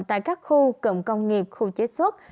tại các khu cộng công nghiệp khu chế xuất